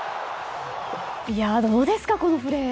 どうですか、このプレー。